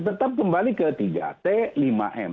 tetap kembali ke tiga t lima m